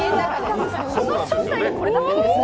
この正体が、これだったんですね。